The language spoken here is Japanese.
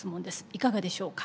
いかがでしょうか。